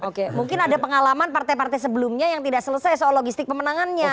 oke mungkin ada pengalaman partai partai sebelumnya yang tidak selesai soal logistik pemenangannya